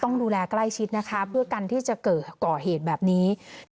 ต้องดูแลใกล้ชิดนะคะเพื่อกันที่จะก่อเหตุแบบนี้